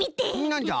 なんじゃ？